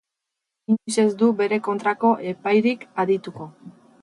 Inoiz ez du bere kontrako epairik adituko.